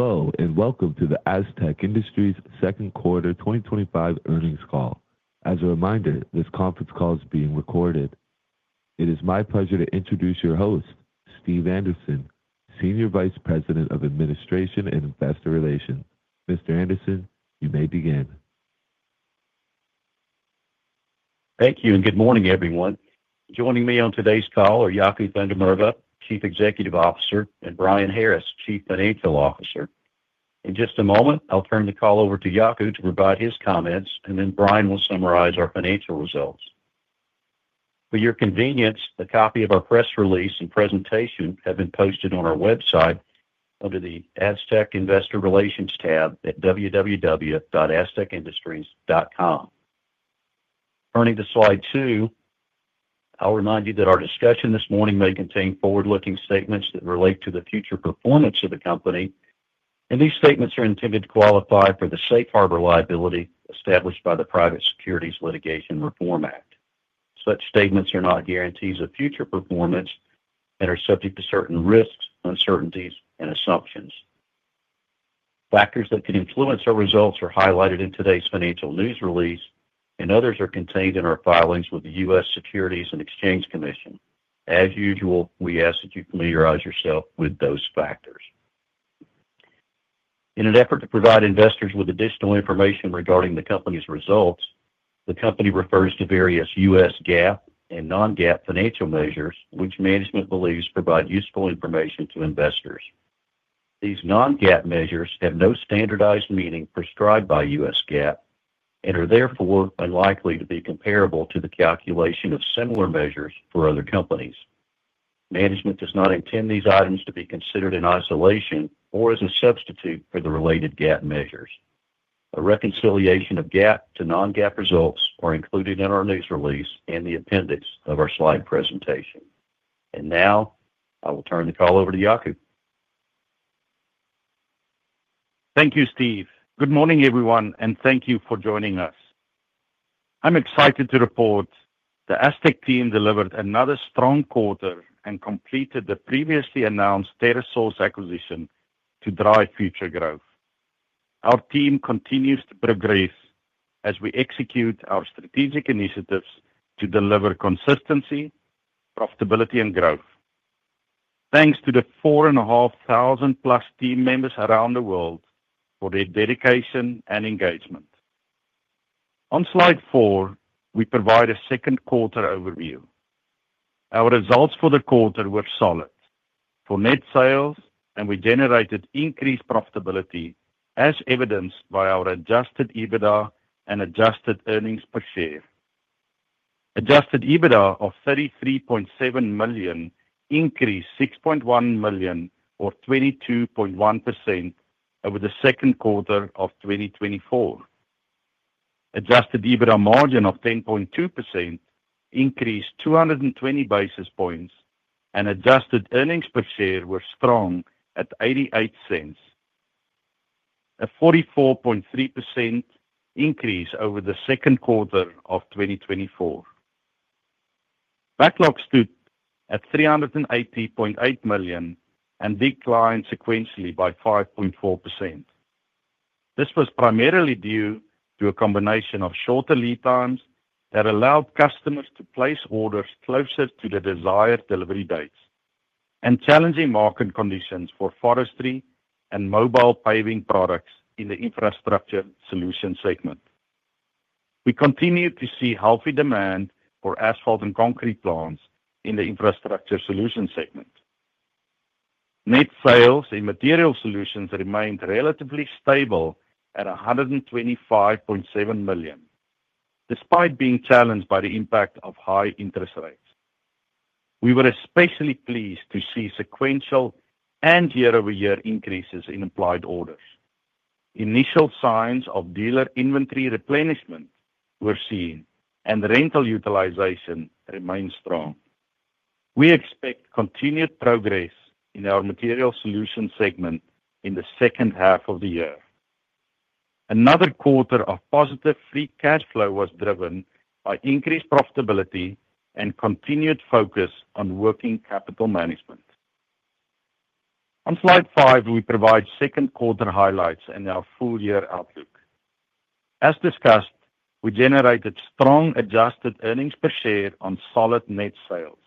Hello and welcome to the Astec Industries second quarter 2025 earnings call. As a reminder, this conference call is being recorded. It is my pleasure to introduce your host, Steve Anderson, Senior Vice President of Administration and Investor Relations. Mr. Anderson, you may begin. Thank you and good morning, everyone. Joining me on today's call are Jaco van der Merwe, Chief Executive Officer, and Brian Harris, Chief Financial Officer. In just a moment, I'll turn the call over to Jaco to provide his comments, and then Brian will summarize our financial results. For your convenience, a copy of our press release and presentation has been posted on our website under the Astec Investor Relations tab at www.astecindustries.com. Turning to slide two, I'll remind you that our discussion this morning may contain forward-looking statements that relate to the future performance of the company, and these statements are intended to qualify for the safe harbor liability established by the Private Securities Litigation Reform Act. Such statements are not guarantees of future performance and are subject to certain risks, uncertainties, and assumptions. Factors that can influence our results are highlighted in today's financial news release, and others are contained in our filings with the U.S. Securities and Exchange Commission. As usual, we ask that you familiarize yourself with those factors. In an effort to provide investors with additional information regarding the company's results, the company refers to various U.S. GAAP and non-GAAP financial measures, which management believes provide useful information to investors. These non-GAAP measures have no standardized meaning prescribed by U.S. GAAP and are therefore unlikely to be comparable to the calculation of similar measures for other companies. Management does not intend these items to be considered in isolation or as a substitute for the related GAAP measures. A reconciliation of GAAP to non-GAAP results is included in our news release and the appendix of our slide presentation. Now, I will turn the call over to Jaco. Thank you, Steve. Good morning, everyone, and thank you for joining us. I'm excited to report the Astec team delivered another strong quarter and completed the previously announced TerraSource acquisition to drive future growth. Our team continues to progress as we execute our strategic initiatives to deliver consistency, profitability, and growth. Thanks to the 4,500+ team members around the world for their dedication and engagement. On slide four, we provide a second quarter overview. Our results for the quarter were solid for net sales, and we generated increased profitability, as evidenced by our adjusted EBITDA and adjusted earnings per share. Adjusted EBITDA of $33.7 million increased $6.1 million, or 22.1%, over the second quarter of 2024. Adjusted EBITDA margin of 10.2% increased 220 basis points, and adjusted earnings per share were strong at $0.88, a 44.3% increase over the second quarter of 2024. Backlog stood at $380.8 million and declined sequentially by 5.4%. This was primarily due to a combination of shorter lead times that allowed customers to place orders closer to the desired delivery dates and challenging market conditions for forestry and mobile paving products in the infrastructure solutions segment. We continued to see healthy demand for asphalt and concrete plants in the infrastructure solutions segment. Net sales in material solutions remained relatively stable at $125.7 million, despite being challenged by the impact of high interest rates. We were especially pleased to see sequential and year-over-year increases in applied orders. Initial signs of dealer inventory replenishment were seen, and rental utilization remained strong. We expect continued progress in our material solutions segment in the second half of the year. Another quarter of positive free cash flow was driven by increased profitability and continued focus on working capital management. On slide five, we provide second quarter highlights in our full-year outlook. As discussed, we generated strong adjusted earnings per share on solid net sales.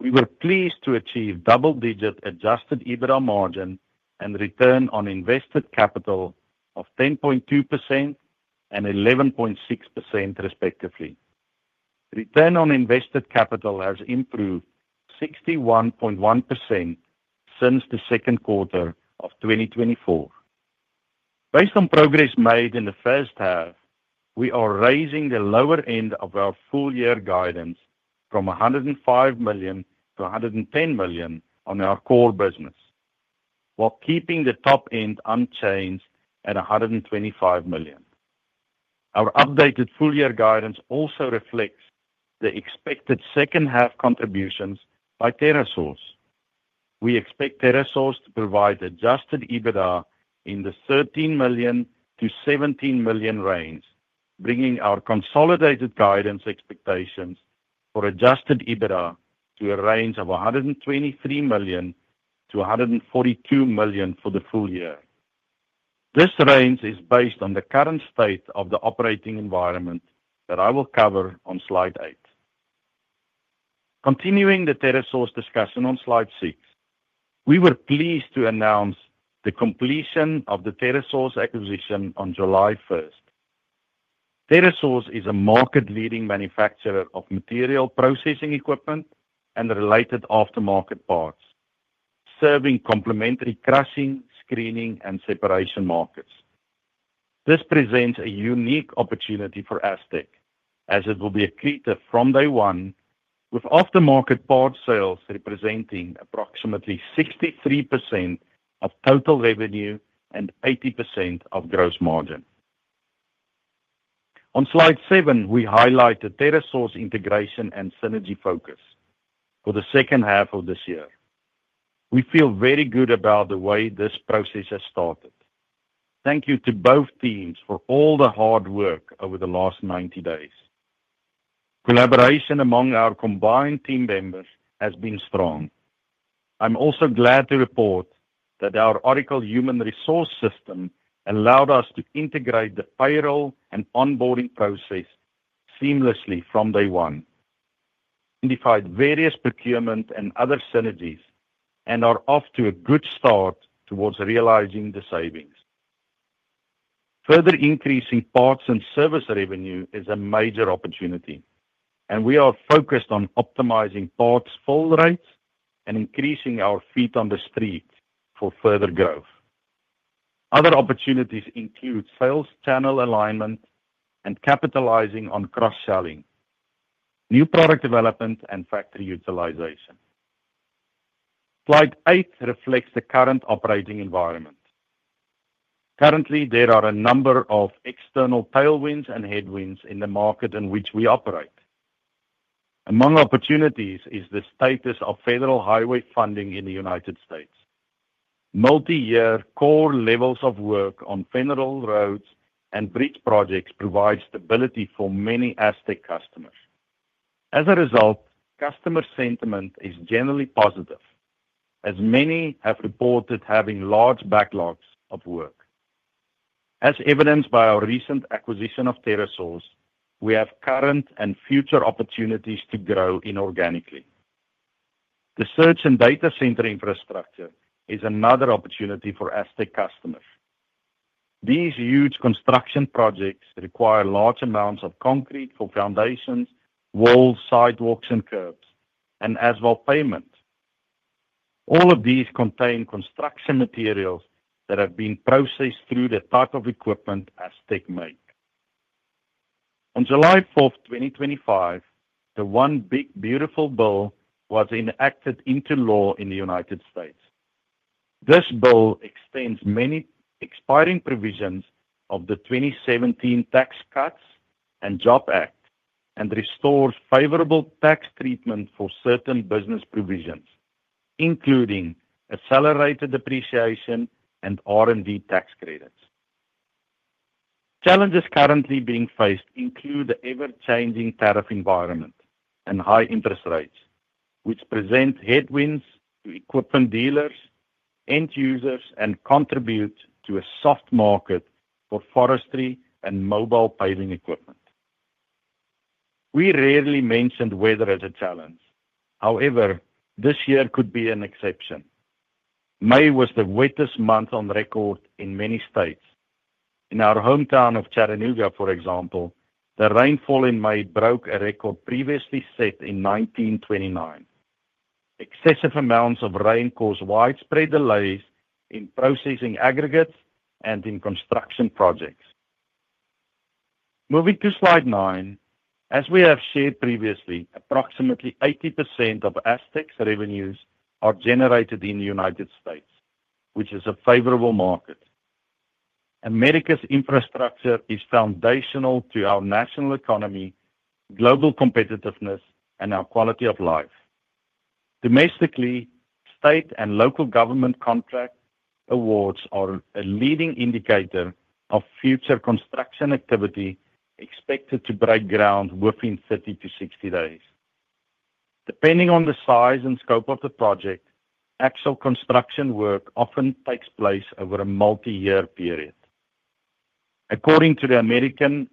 We were pleased to achieve double-digit adjusted EBITDA margin and return on invested capital of 10.2% and 11.6%, respectively. Return on invested capital has improved 61.1% since the second quarter of 2024. Based on progress made in the first half, we are raising the lower end of our full-year guidance from $105 million to $110 million on our core business, while keeping the top end unchanged at $125 million. Our updated full-year guidance also reflects the expected second half contributions by TerraSource. We expect TerraSource to provide adjusted EBITDA in the $13 million-$17 million range, bringing our consolidated guidance expectations for adjusted EBITDA to a range of $123 million-$142 million for the full year. This range is based on the current state of the operating environment that I will cover on slide eight. Continuing the TerraSource discussion on slide six, we were pleased to announce the completion of the TerraSource acquisition on July 1st. TerraSource is a market-leading manufacturer of material processing equipment and related aftermarket parts, serving complementary crushing, screening, and separation markets. This presents a unique opportunity for Astec, as it will be accretive from day one, with aftermarket parts sales representing approximately 63% of total revenue and 80% of gross margin. On slide seven, we highlight the TerraSource integration and synergy focus for the second half of this year. We feel very good about the way this process has started. Thank you to both teams for all the hard work over the last 90 days. Collaboration among our combined team members has been strong. I'm also glad to report that our Oracle Human Resource System allowed us to integrate the payroll and onboarding process seamlessly from day one. We identified various procurement and other synergies and are off to a good start towards realizing the savings. Further increasing parts and service revenue is a major opportunity, and we are focused on optimizing parts fill rates and increasing our feet on the street for further growth. Other opportunities include sales channel alignment and capitalizing on cross-selling, new product development, and factory utilization. Slide eight reflects the current operating environment. Currently, there are a number of external tailwinds and headwinds in the market in which we operate. Among opportunities is the status of federal highway funding in the U.S. Multi-year core levels of work on federal roads and bridge projects provide stability for many Astec customers. As a result, customer sentiment is generally positive, as many have reported having large backlogs of work. As evidenced by our recent acquisition of TerraSource, we have current and future opportunities to grow inorganically. The search and data center infrastructure is another opportunity for Astec customers. These huge construction projects require large amounts of concrete for foundations, walls, sidewalks, and curbs, and as well payment. All of these contain construction materials that have been processed through the type of equipment Astec makes. On July 4, 2025, the One Big Beautiful Bill was enacted into law in the U.S. This bill extends many expiring provisions of the 2017 Tax Cuts and Jobs Act and restores favorable tax treatment for certain business provisions, including accelerated depreciation and R&D tax credits. Challenges currently being faced include the ever-changing tariff environment and high interest rates, which present headwinds to equipment dealers, end users, and contribute to a soft market for forestry and mobile paving equipment. We rarely mention weather as a challenge. However, this year could be an exception. May was the wettest month on record in many states. In our hometown of Chattanooga, for example, the rainfall in May broke a record previously set in 1929. Excessive amounts of rain caused widespread delays in processing aggregates and in construction projects. Moving to slide nine, as we have shared previously, approximately 80% of Astec's revenues are generated in the U.S., which is a favorable market. America's infrastructure is foundational to our national economy, global competitiveness, and our quality of life. Domestically, state and local government contract awards are a leading indicator of future construction activity expected to break ground within 30-60 days. Depending on the size and scope of the project, actual construction work often takes place over a multi-year period. According to the American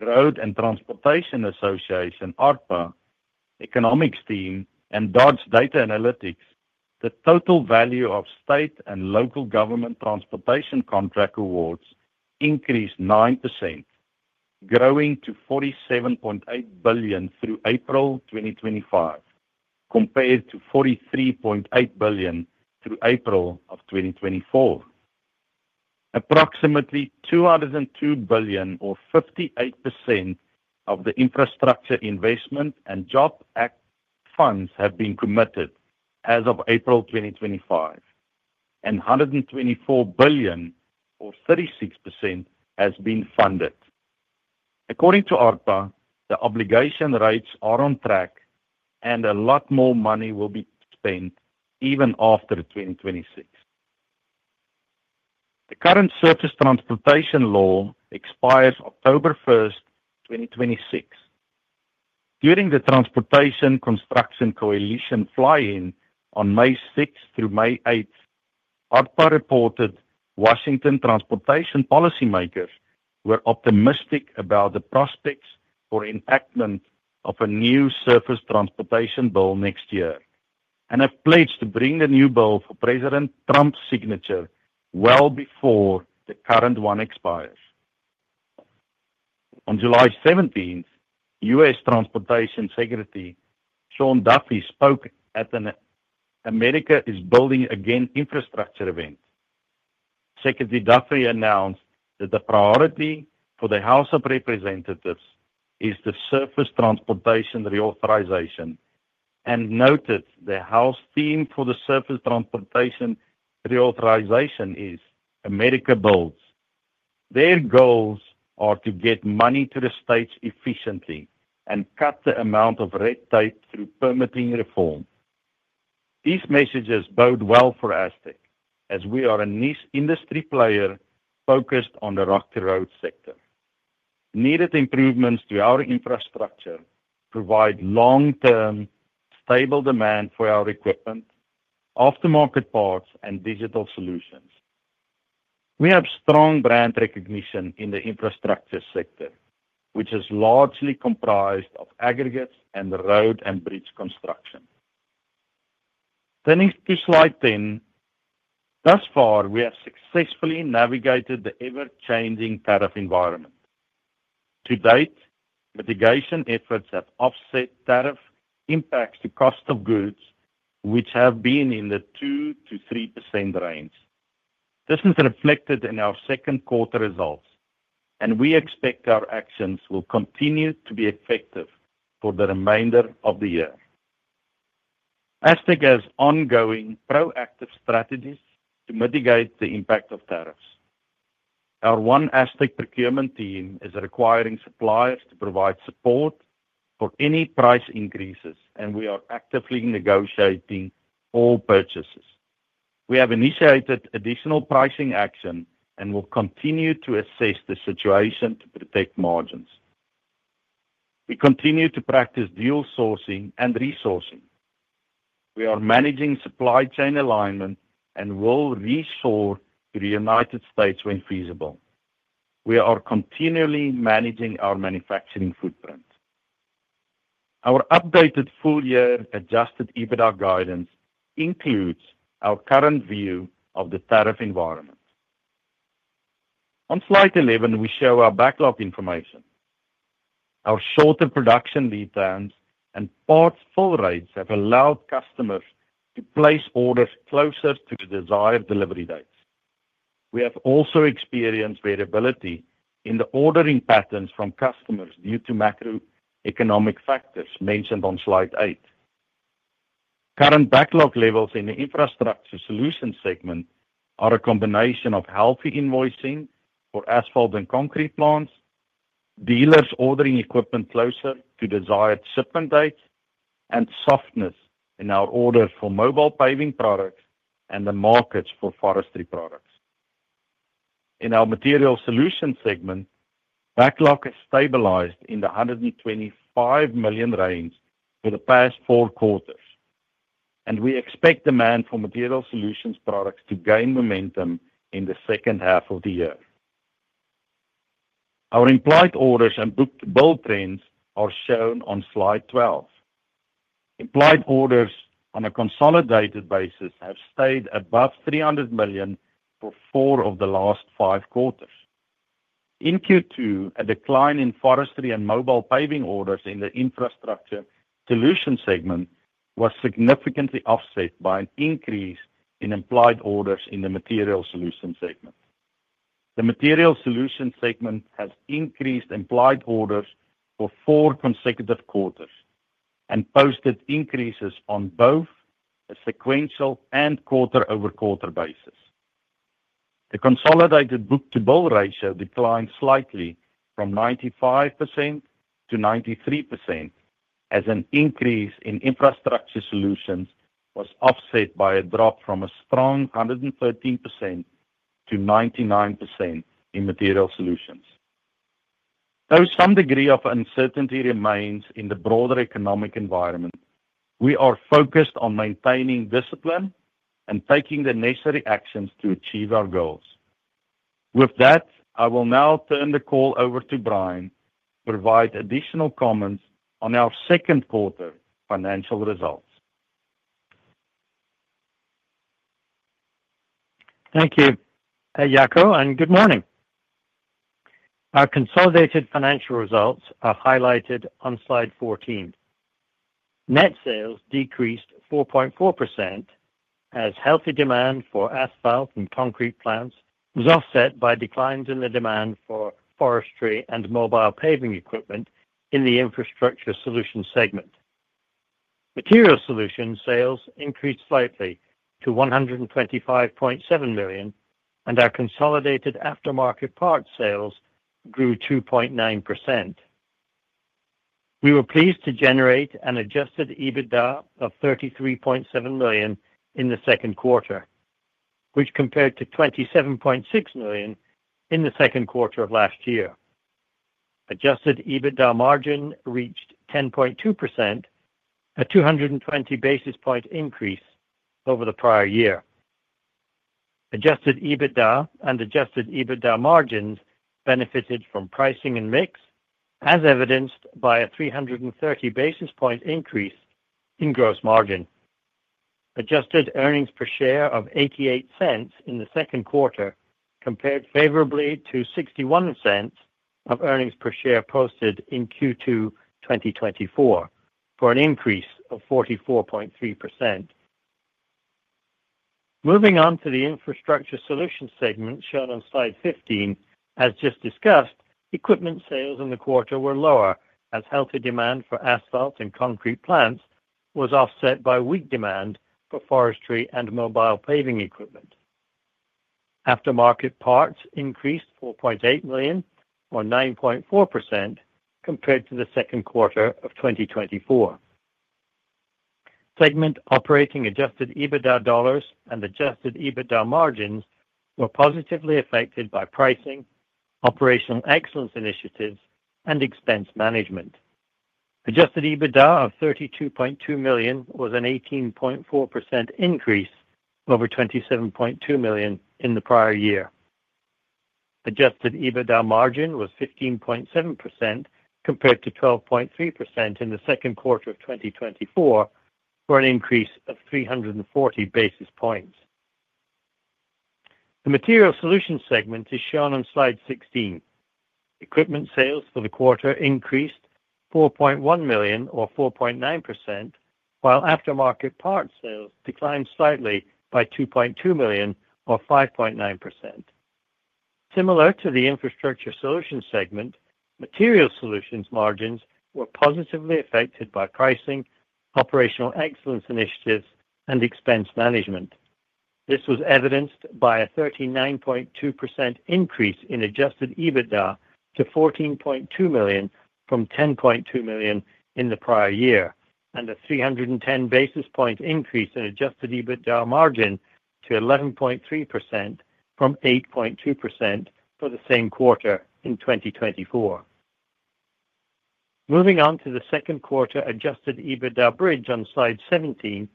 Road and Transportation Association, ARPA, economics team, and Dodge Data Analytics, the total value of state and local government transportation contract awards increased 9%, growing to $47.8 billion through April 2025, compared to $43.8 billion through April of 2024. Approximately $202 billion, or 58%, of the Infrastructure Investment and Jobs Act funds have been committed as of April 2025, and $124 billion, or 36%, has been funded. According to ARPA, the obligation rates are on track, and a lot more money will be spent even after 2026. The current surface transportation law expires October 1st, 2026. During the Transportation Construction Coalition fly-in on May 6th through May 8th, ARPA reported Washington transportation policymakers were optimistic about the prospects for enactment of a new surface transportation bill next year and have pledged to bring the new bill for President Trump's signature well before the current one expires. On July 17th, U.S. Transportation Secretary Sean Duffy spoke at an America Is Building Again infrastructure event. Secretary Duffy announced that the priority for the House of Representatives is the surface transportation reauthorization and noted the House team for the surface transportation reauthorization is America Builds. Their goals are to get money to the states efficiently and cut the amount of red tape through permitting reform. These messages bode well for Astec, as we are a niche industry player focused on the rock-to-road sector. Needed improvements to our infrastructure provide long-term, stable demand for our equipment, aftermarket parts, and digital solutions. We have strong brand recognition in the infrastructure sector, which is largely comprised of aggregates and road and bridge construction. Turning to slide ten, thus far, we have successfully navigated the ever-changing tariff environment. To date, mitigation efforts have offset tariff impacts to cost of goods, which have been in the 2%-3% range. This is reflected in our second quarter results, and we expect our actions will continue to be effective for the remainder of the year. Astec has ongoing proactive strategies to mitigate the impact of tariffs. Our One Astec procurement team is requiring suppliers to provide support for any price increases, and we are actively negotiating all purchases. We have initiated additional pricing action and will continue to assess the situation to protect margins. We continue to practice dual sourcing and resourcing. We are managing supply chain alignment and will resource to the United States when feasible. We are continually managing our manufacturing footprint. Our updated full-year adjusted EBITDA guidance includes our current view of the tariff environment. On slide 11, we show our backlog information. Our shorter production lead times and parts fold rates have allowed customers to place orders closer to the desired delivery dates. We have also experienced variability in the ordering patterns from customers due to macroeconomic factors mentioned on slide eight. Current backlog levels in the infrastructure solutions segment are a combination of healthy invoicing for asphalt and concrete plants, dealers ordering equipment closer to desired shipment dates, and softness in our orders for mobile paving products and the markets for forestry products. In our material solutions segment, backlog has stabilized in the $125 million range for the past four quarters, and we expect demand for material solutions products to gain momentum in the second half of the year. Our implied orders and booked build trends are shown on slide 12. Implied orders on a consolidated basis have stayed above $300 million for four of the last five quarters. In Q2, a decline in forestry and mobile paving orders in the infrastructure solutions segment was significantly offset by an increase in implied orders in the material solutions segment. The material solutions segment has increased implied orders for four consecutive quarters and posted increases on both a sequential and quarter-over-quarter basis. The consolidated book-to-build ratio declined slightly from 95% to 93%, as an increase in infrastructure solutions was offset by a drop from a strong 113% to 99% in material solutions. Though some degree of uncertainty remains in the broader economic environment, we are focused on maintaining discipline and taking the necessary actions to achieve our goals. With that, I will now turn the call over to Brian to provide additional comments on our second quarter financial results. Thank you, Jaco, and good morning. Our consolidated financial results are highlighted on slide 14. Net sales decreased 4.4%, as healthy demand for asphalt and concrete plants was offset by declines in the demand for forestry and mobile paving equipment in the infrastructure solutions segment. Material solutions sales increased slightly to $125.7 million, and our consolidated aftermarket parts sales grew 2.9%. We were pleased to generate an adjusted EBITDA of $33.7 million in the second quarter, which compared to $27.6 million in the second quarter of last year. Adjusted EBITDA margin reached 10.2%, a 220 basis point increase over the prior year. Adjusted EBITDA and adjusted EBITDA margins benefited from pricing and mix, as evidenced by a 330 basis point increase in gross margin. Adjusted earnings per share of $0.88 in the second quarter compared favorably to $0.61 of earnings per share posted in Q2 2024, for an increase of 44.3%. Moving on to the infrastructure solutions segment shown on slide 15, as just discussed, equipment sales in the quarter were lower, as healthy demand for asphalt and concrete plants was offset by weak demand for forestry and mobile paving equipment. Aftermarket parts increased $4.8 million, or 9.4%, compared to the second quarter of 2024. Segment operating adjusted EBITDA dollars and adjusted EBITDA margins were positively affected by pricing, operational excellence initiatives, and expense management. Adjusted EBITDA of $32.2 million was an 18.4% increase over $27.2 million in the prior year. Adjusted EBITDA margin was 15.7% compared to 12.3% in the second quarter of 2024, for an increase of 340 basis points. The material solutions segment is shown on slide 16. Equipment sales for the quarter increased $4.1 million, or 4.9%, while aftermarket parts sales declined slightly by $2.2 million, or 5.9%. Similar to the infrastructure solutions segment, material solutions margins were positively affected by pricing, operational excellence initiatives, and expense management. This was evidenced by a 39.2% increase in adjusted EBITDA to $14.2 million from $10.2 million in the prior year, and a 310 basis point increase in adjusted EBITDA margin to 11.3% from 8.2% for the same quarter in 2024. Moving on to the second quarter adjusted EBITDA bridge on slide 17,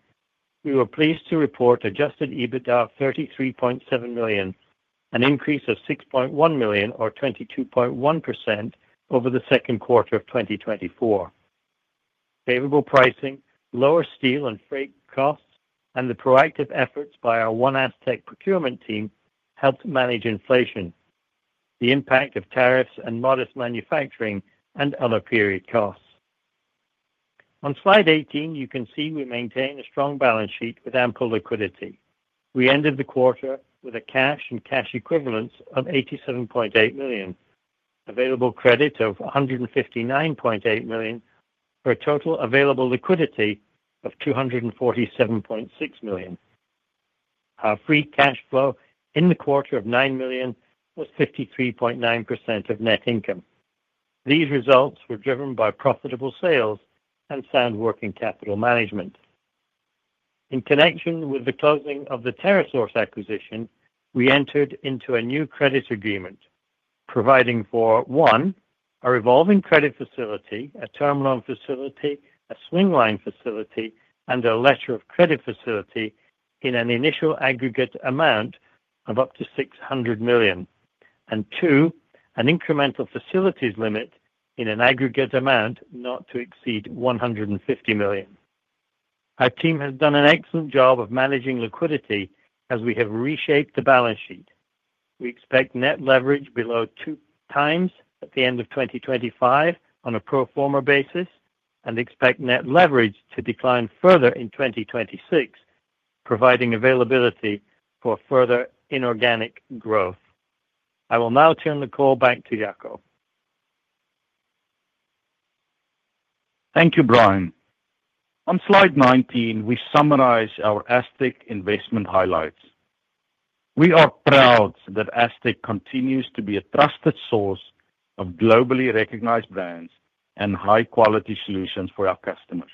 we were pleased to report adjusted EBITDA of $33.7 million, an increase of $6.1 million, or 22.1% over the second quarter of 2024. Favorable pricing, lower steel and freight costs, and the proactive efforts by our One Astec procurement team helped manage inflation, the impact of tariffs, and modest manufacturing and other period costs. On slide 18, you can see we maintain a strong balance sheet with ample liquidity. We ended the quarter with cash and cash equivalents of $87.8 million, available credit of $159.8 million, for a total available liquidity of $247.6 million. Our free cash flow in the quarter of $9 million was 53.9% of net income. These results were driven by profitable sales and sound working capital management. In connection with the closing of the TerraSource acquisition, we entered into a new credit agreement, providing for, one, a revolving credit facility, a term loan facility, a swing line facility, and a letter of credit facility in an initial aggregate amount of up to $600 million, and two, an incremental facilities limit in an aggregate amount not to exceed $150 million. Our team has done an excellent job of managing liquidity as we have reshaped the balance sheet. We expect net leverage below two times at the end of 2025 on a pro forma basis and expect net leverage to decline further in 2026, providing availability for further inorganic growth. I will now turn the call back to Jaco. Thank you, Brian. On slide 19, we summarize our Astec investment highlights. We are proud that Astec continues to be a trusted source of globally recognized brands and high-quality solutions for our customers.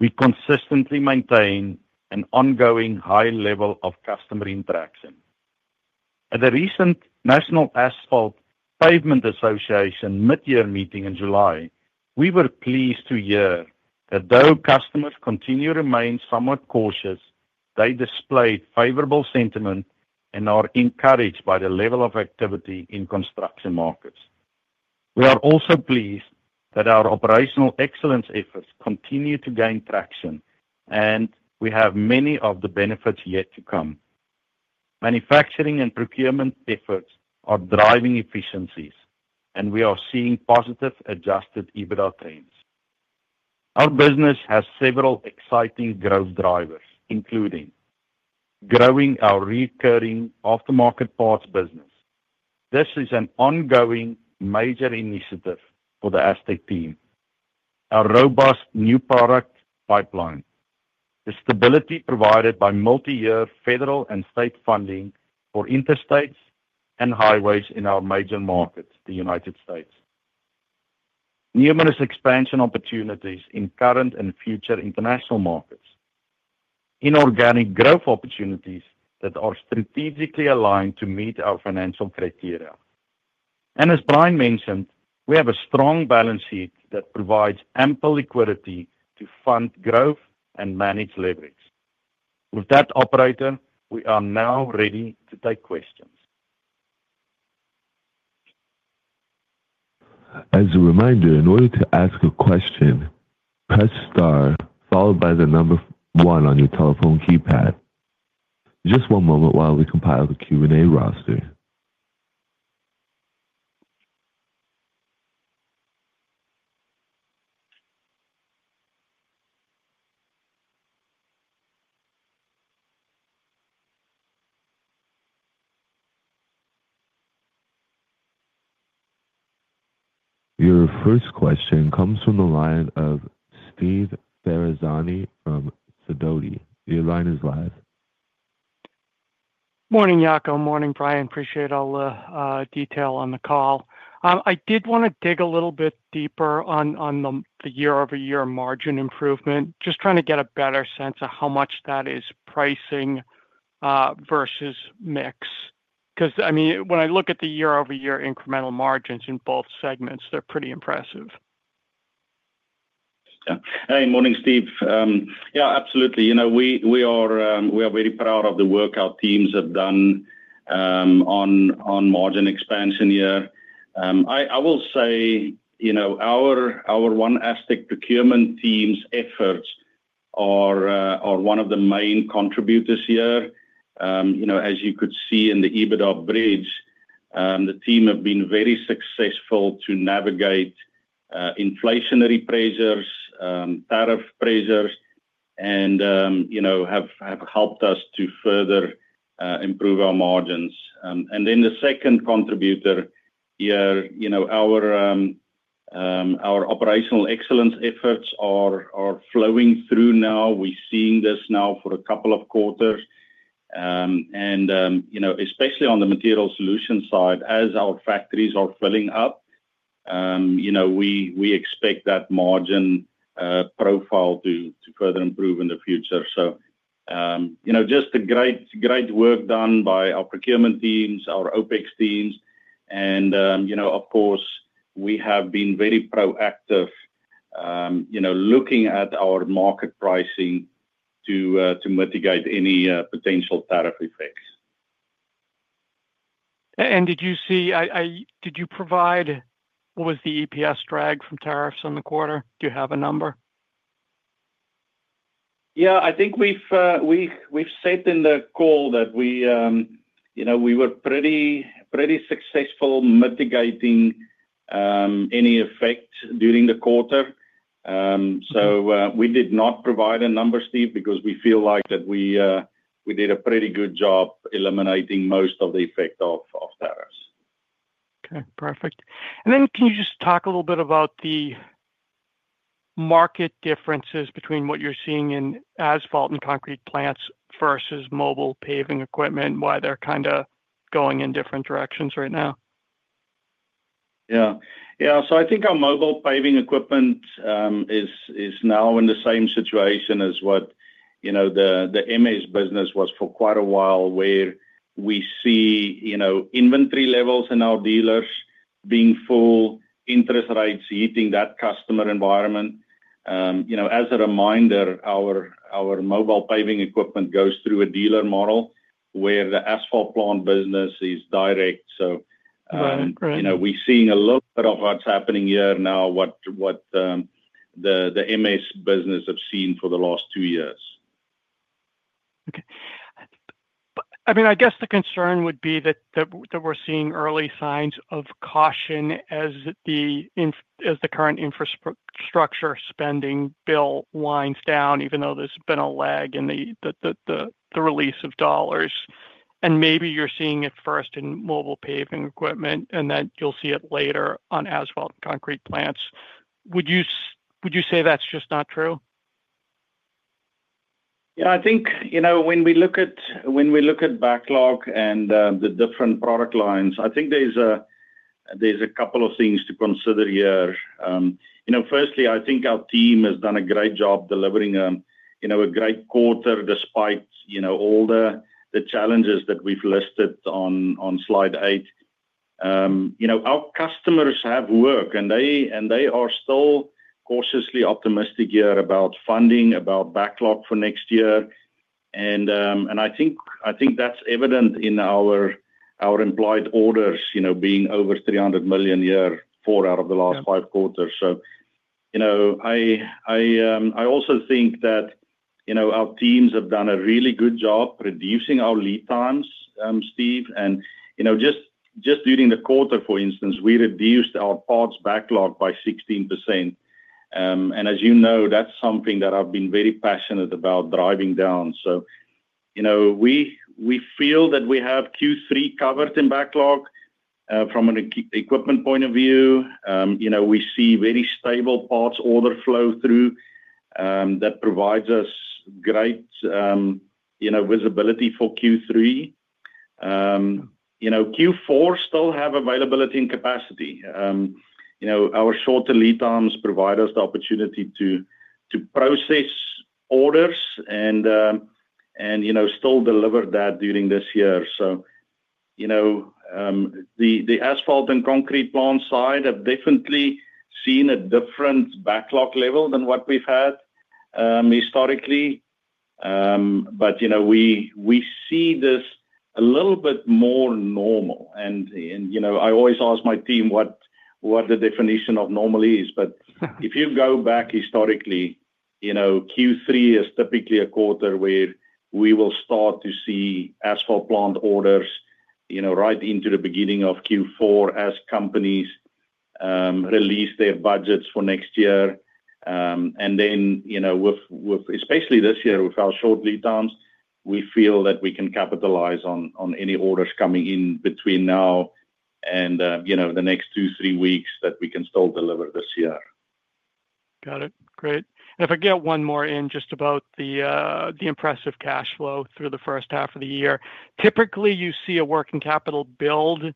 We consistently maintain an ongoing high level of customer interaction. At the recent National Asphalt Pavement Association mid-year meeting in July, we were pleased to hear that though customers continue to remain somewhat cautious, they displayed favorable sentiment and are encouraged by the level of activity in construction markets. We are also pleased that our operational excellence efforts continue to gain traction, and we have many of the benefits yet to come. Manufacturing and procurement efforts are driving efficiencies, and we are seeing positive adjusted EBITDA trends. Our business has several exciting growth drivers, including growing our recurring aftermarket parts business. This is an ongoing major initiative for the Astec team. Our robust new product pipeline, the stability provided by multi-year federal and state funding for interstates and highways in our major markets, the United States, numerous expansion opportunities in current and future international markets, inorganic growth opportunities that are strategically aligned to meet our financial criteria. As Brian mentioned, we have a strong balance sheet that provides ample liquidity to fund growth and manage leverage. With that operator, we are now ready to take questions. As a reminder, in order to ask a question, press star followed by the number one on your telephone keypad. Just one moment while we compile the Q&A roster. Your first question comes from the line of Steve Ferazani from Sidoti. Your line is live. Morning, Jaco. Morning, Brian. Appreciate all the detail on the call. I did want to dig a little bit deeper on the year-over-year margin improvement, just trying to get a better sense of how much that is pricing versus mix. When I look at the year-over-year incremental margins in both segments, they're pretty impressive. Morning, Steve. Yeah, absolutely. We are very proud of the work our teams have done on margin expansion here. I will say our One Astec procurement team's efforts are one of the main contributors here. As you could see in the EBITDA bridge, the team has been very successful to navigate inflationary pressures, tariff pressures, and have helped us to further improve our margins. The second contributor here, our operational excellence efforts are flowing through now. We're seeing this now for a couple of quarters. Especially on the material solutions side, as our factories are filling up, we expect that margin profile to further improve in the future. Just the great work done by our procurement teams, our OPEX teams, and of course, we have been very proactive looking at our market pricing to mitigate any potential tariff effects. Did you provide, what was the EPS drag from tariffs on the quarter? Do you have a number? I think we've said in the call that we were pretty successful mitigating any effect during the quarter. We did not provide a number, Steve, because we feel like we did a pretty good job eliminating most of the effect of tariffs. Okay, perfect. Can you just talk a little bit about the market differences between what you're seeing in asphalt and concrete plants versus mobile paving equipment and why they're kind of going in different directions right now? I think our mobile paving equipment is now in the same situation as what the MH business was for quite a while, where we see inventory levels in our dealers being full, interest rates hitting that customer environment. As a reminder, our mobile paving equipment goes through a dealer model where the asphalt plant business is direct. We're seeing a little bit of what's happening here now, what the MH business has seen for the last two years. Okay. I mean, I guess the concern would be that we're seeing early signs of caution as the current infrastructure spending bill winds down, even though there's been a lag in the release of dollars. Maybe you're seeing it first in mobile paving equipment, and then you'll see it later on asphalt and concrete plants. Would you say that's just not true? Yeah, I think, you know, when we look at backlog and the different product lines, I think there's a couple of things to consider here. Firstly, I think our team has done a great job delivering a great quarter despite all the challenges that we've listed on slide eight. Our customers have worked, and they are still cautiously optimistic here about funding, about backlog for next year. I think that's evident in our implied orders being over $300 million here, four out of the last five quarters. I also think that our teams have done a really good job reducing our lead times, Steve. Just during the quarter, for instance, we reduced our parts backlog by 16%. As you know, that's something that I've been very passionate about driving down. We feel that we have Q3 covered in backlog from an equipment point of view. We see very stable parts order flow through that provides us great visibility for Q3. Q4 still has availability and capacity. Our shorter lead times provide us the opportunity to process orders and still deliver that during this year. The asphalt and concrete plant side have definitely seen a different backlog level than what we've had historically. We see this a little bit more normal. I always ask my team what the definition of normal is. If you go back historically, Q3 is typically a quarter where we will start to see asphalt plant orders right into the beginning of Q4 as companies release their budgets for next year. Especially this year with our short lead times, we feel that we can capitalize on any orders coming in between now and the next two, three weeks that we can still deliver this year. Got it. Great. If I get one more in just about the impressive cash flow through the first half of the year, typically you see a working capital build.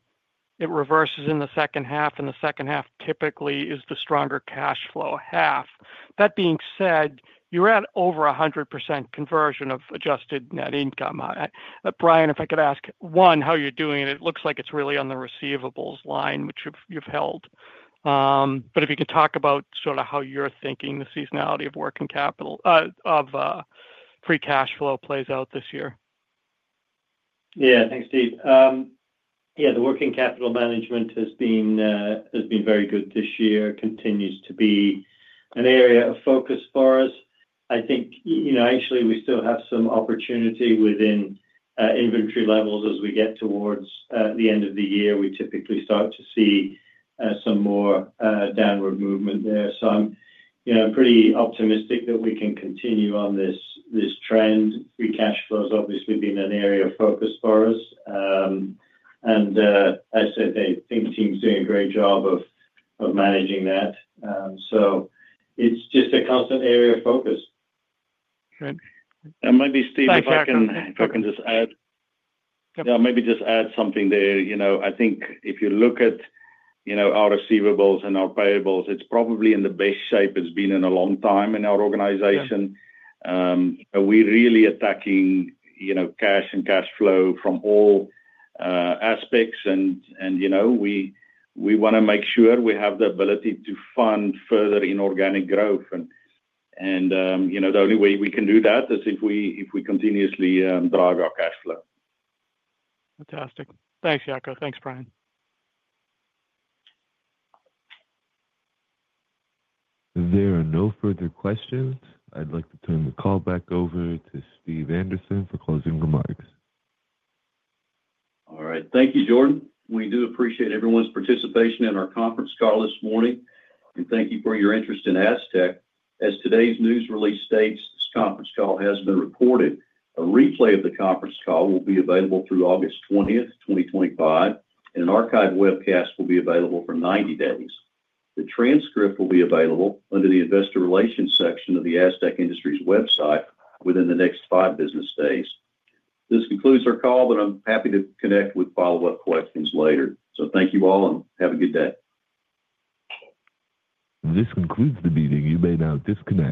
It reverses in the second half, and the second half typically is the stronger cash flow half. That being said, you're at over 100% conversion of adjusted net income. Brian, if I could ask one how you're doing it, it looks like it's really on the receivables line, which you've held. If you could talk about sort of how you're thinking the seasonality of working capital of free cash flow plays out this year. Yeah, thanks, Steve. The working capital management has been very good this year and continues to be an area of focus for us. I think we still have some opportunity within inventory levels as we get towards the end of the year. We typically start to see some more downward movement there. I'm pretty optimistic that we can continue on this trend. Free cash flow has obviously been an area of focus for us. As I said, I think the team's doing a great job of managing that. It's just a constant area of focus. Steve, if I can just add, maybe just add something there. I think if you look at our receivables and our payables, it's probably in the best shape it's been in a long time in our organization. We're really attacking cash and cash flow from all aspects. We want to make sure we have the ability to fund further inorganic growth. The only way we can do that is if we continuously drive our cash flow. Fantastic. Thanks, Jaco. Thanks, Brian. If there are no further questions, I'd like to turn the call back over to Steve Anderson for closing remarks. All right. Thank you, Jordan. We do appreciate everyone's participation in our conference call this morning. Thank you for your interest in Astec. As today's news release states, this conference call has been recorded. A replay of the conference call will be available through August 20th, 2025, and an archived webcast will be available for 90 days. The transcript will be available under the Investor Relations section of the Astec Industries website within the next five business days. This concludes our call. I'm happy to connect with follow-up questions later. Thank you all and have a good day. This concludes the meeting. You may now disconnect.